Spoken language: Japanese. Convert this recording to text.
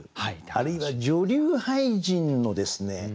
あるいは女流俳人のですね